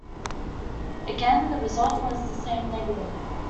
Again, the result was the same-negative.